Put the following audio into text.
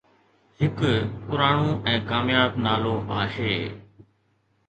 هڪ پراڻو ۽ ڪامياب نالو آهي